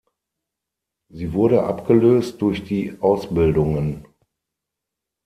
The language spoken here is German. Sie wurde abgelöst durch die Ausbildungen